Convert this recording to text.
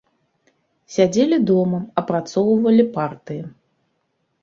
Сядзелі дома, апрацоўвалі партыі.